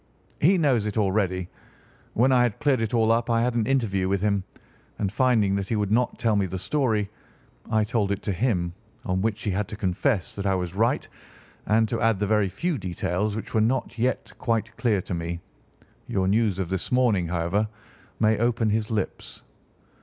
"He knows it already. When I had cleared it all up I had an interview with him, and finding that he would not tell me the story, I told it to him, on which he had to confess that I was right and to add the very few details which were not yet quite clear to me. Your news of this morning, however, may open his lips."